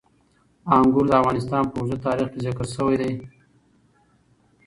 انګور د افغانستان په اوږده تاریخ کې ذکر شوی دی.